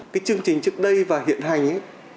cái chương trình trước đây và hiện hành